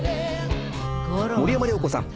森山良子さん